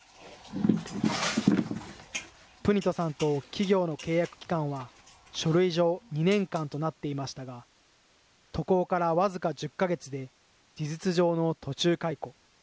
プニトさんと企業の契約期間は、書類上、２年間となっていましたが、渡航から僅か１０か月で、事実上の途中解雇。